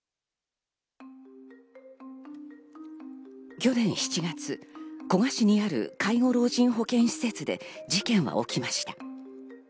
去年７月、古河市にある介護老人保健施設で事件は起きました。